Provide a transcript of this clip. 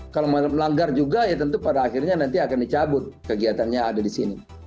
kalau melanggar juga ya tentu pada akhirnya nanti akan dicabut kegiatannya ada di sini